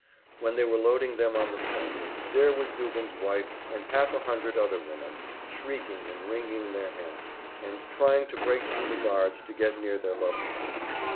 When they were loading them on the train, there was Dubin's wife and half a hundred other women, shrieking and wringing their hands, and trying to break thru the guards to get near their loved ones.